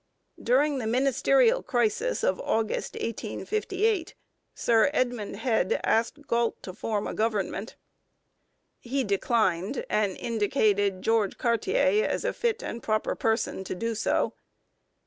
During the ministerial crisis of August 1858 Sir Edmund Head asked Galt to form a government. He declined, and indicated George Cartier as a fit and proper person to do so.